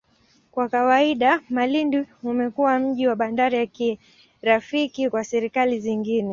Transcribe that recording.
Kwa kawaida, Malindi umekuwa mji na bandari ya kirafiki kwa serikali zingine.